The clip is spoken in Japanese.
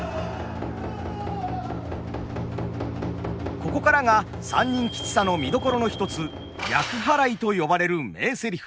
ここからが「三人吉三」の見どころの一つ厄払いと呼ばれる名セリフ。